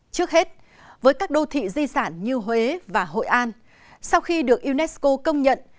trước hết với các đô thị di sản như huế và hội an sau khi được unesco công nhận